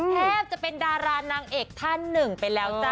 แทบจะเป็นดารานางเอกท่านหนึ่งไปแล้วจ้ะ